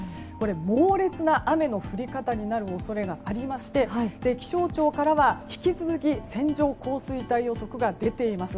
猛烈な雨の降り方になる恐れがありまして気象庁からは引き続き線状降水帯予測が出ています。